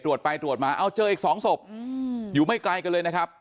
ตรวจไปตรวจมาเอาเจออีกสองศพอยู่ไม่ไกลกันเลยนะครับ